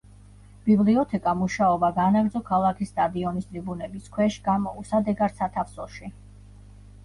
ბიბლიოთეკამ მუშაობა განაგრძო ქალაქის სტადიონის ტრიბუნების ქვეშ გამოუსადეგარ სათავსოში.